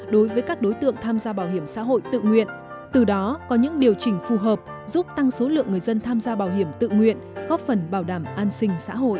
đối với các đối tượng tham gia bảo hiểm xã hội tự nguyện từ đó có những điều chỉnh phù hợp giúp tăng số lượng người dân tham gia bảo hiểm tự nguyện góp phần bảo đảm an sinh xã hội